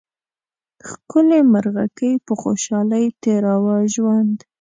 ښکلې مرغکۍ په خوشحالۍ تېراوه ژوند